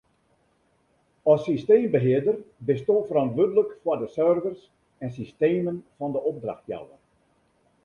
As systeembehearder bisto ferantwurdlik foar de servers en systemen fan de opdrachtjouwer.